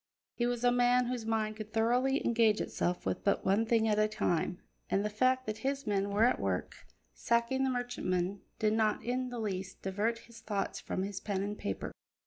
He was a man whose mind could thoroughly engage itself with but one thing at a time, and the fact that his men were at work sacking the merchantman did not in the least divert his thoughts from his pen and paper.